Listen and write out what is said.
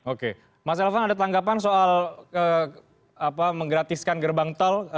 oke mas elvan ada tanggapan soal menggratiskan gerbang tol